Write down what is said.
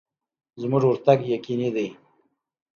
زموږ ورتګ یقیني دی.